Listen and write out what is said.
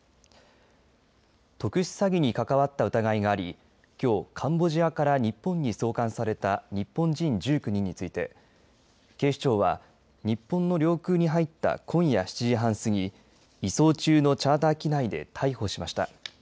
特殊詐欺に関わった疑いがありきょうカンボジアから日本に送還された日本人１９人について警視庁は日本の領空に入った今夜７時半過ぎ移送中のチャーター機内で逮捕しました。